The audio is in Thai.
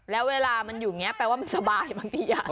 แล้วเวลามันอยู่เนี้ยแปลว่ามันสบายบางทีอ่ะ